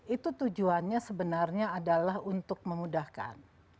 itu tujuannya sebenarnya adalah untuk memudahkan